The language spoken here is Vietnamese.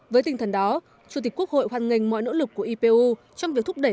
với tinh thần đó chủ tịch quốc hội hoan nghênh mọi nỗ lực của ipu trong việc thúc đẩy